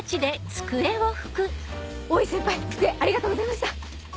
机ありがとうございました。